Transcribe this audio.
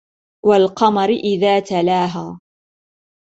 وَالْقَمَرِ إِذَا تَلَاهَا